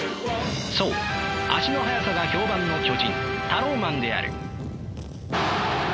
そう足の速さが評判の巨人タローマンである。